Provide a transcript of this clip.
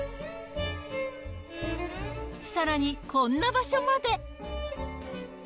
さらにこんな場所まで。